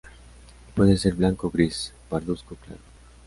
Puede ser blanco o gris pardusco claro.